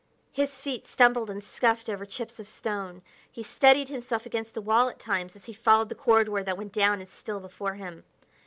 His feet stumbled and scuffed over chips of stone; he steadied himself against the wall at times as he followed the corridor that went down and still down before him.